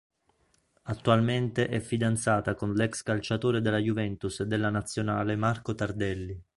Attualmente è fidanzata con l'ex calciatore della Juventus e della Nazionale Marco Tardelli.